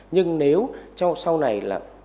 nhưng nếu sau này là